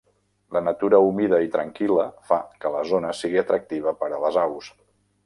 La natura humida i tranquil·la fa que la zona sigui atractiva per a les aus.